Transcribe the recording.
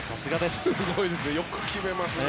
すごいですね。